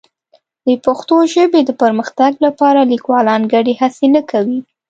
د پښتو ژبې د پرمختګ لپاره لیکوالان ګډې هڅې نه کوي.